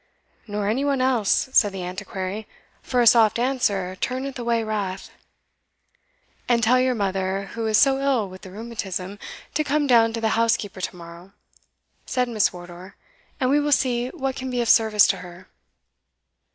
"Nor any one else," said the Antiquary; "for a soft answer turneth away wrath." "And tell your mother, who is so ill with the rheumatism, to come down to the housekeeper to morrow," said Miss Wardour, "and we will see what can be of service to her."